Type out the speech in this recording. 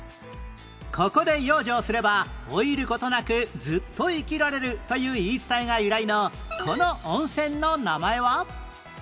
ここで養生すれば老いる事なくずっと生きられるという言い伝えが由来のこの温泉の名前は？